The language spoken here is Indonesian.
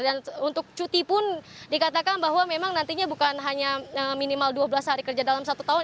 dan untuk cuti pun dikatakan bahwa memang nantinya bukan hanya minimal dua belas hari kerja dalam satu tahun